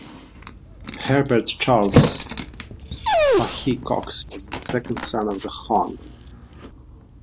Herbert Charles Fahie Cox was the second son of the Hon.